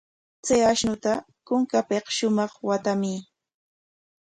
Chay ashnuta kunkanpik shumaq waatamuy.